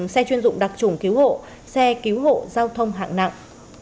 xe chuyên dụng đặc trùng cứu hộ xe cứu hộ giao thông hạng nặng